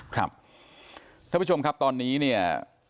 ท่านผู้ชมครับตอนนี้เนี่ย